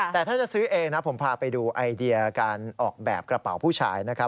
แต่ถ้าจะซื้อเองนะผมพาไปดูไอเดียการออกแบบกระเป๋าผู้ชายนะครับ